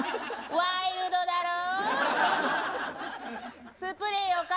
ワイルドだろぉ。